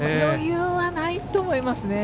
余裕はないと思います。